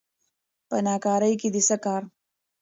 په نه کارکې دې څه کار